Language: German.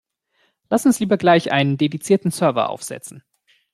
Lass uns lieber gleich einen dedizierten Server aufsetzen.